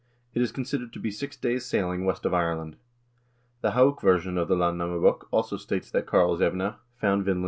It is considered to be six days' sailing west of Ireland." 4 The Hauk version of the " Landnamabok " also states that Karls evne found Vinland the Good.